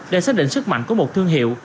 để xác định sức mạnh của một thương hiệu